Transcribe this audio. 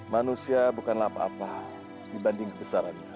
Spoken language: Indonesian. manusia bukanlah apa apa dibanding kebesarannya